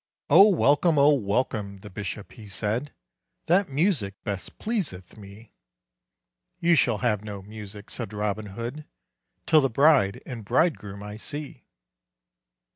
"Oh welcome, oh welcome," the bishop he said: "That music best pleaseth me." "You shall have no music," said Robin Hood, "Till the bride and bridegroom I see."